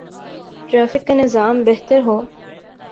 Traffic کا نظام بہتر ہو۔